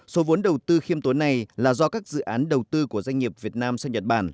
số vốn đầu tư khiêm tốn này là do các dự án đầu tư của doanh nghiệp việt nam sang nhật bản